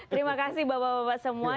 terima kasih bapak bapak semua